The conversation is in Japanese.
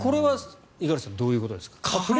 これは五十嵐さんどういうことですか。